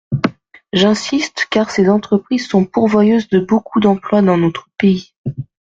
J’insiste car ces entreprises sont pourvoyeuses de beaucoup d’emplois dans notre pays.